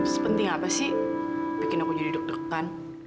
sepenting apa sih bikin aku jadi deg degan